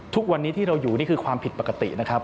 ทุกวันนี้ที่เราอยู่นี่คือความผิดปกตินะครับ